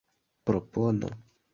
propono